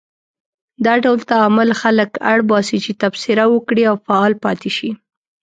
دا ډول تعامل خلک اړ باسي چې تبصره وکړي او فعال پاتې شي.